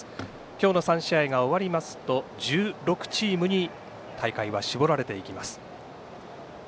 今日の３試合が終わりますと１６チームに大会は絞られていきます。